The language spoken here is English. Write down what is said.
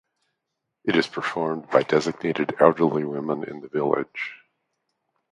It is performed by designated elderly women in the village.